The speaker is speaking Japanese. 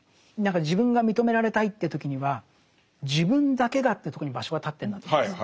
自分が認められたいという時には自分だけがというとこに場所は立ってるんだと思うんですよ。